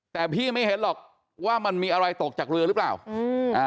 แต่พี่ไม่เห็นหรอกว่ามันมีอะไรตกจากเรือหรือเปล่าอืมอ่า